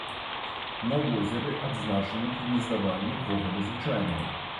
На возеры адзначаны гнездаванні гогаля звычайнага.